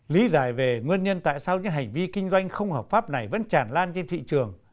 lý giải về nguyên nhân tại sao những hành vi kinh doanh không hợp pháp này vẫn chản lan trên thị trường